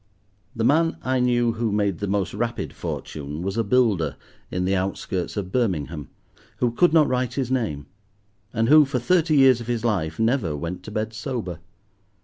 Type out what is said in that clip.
The man I knew who made the most rapid fortune was a builder in the outskirts of Birmingham, who could not write his name, and who, for thirty years of his life, never went to bed sober.